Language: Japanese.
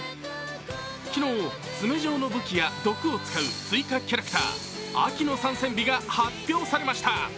昨日、爪状の武器や毒を使う追加キャラクターＡ．Ｋ．Ｉ．の参戦日が発表されました。